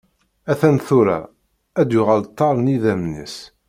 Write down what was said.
A-t-an tura, ad d-yuɣal ttaṛ n idammen-is.